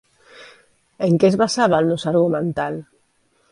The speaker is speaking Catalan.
En què es basava el nus argumental?